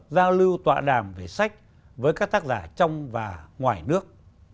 giao lưu tọa đàm về sách với các tác giả trong và ngoài nước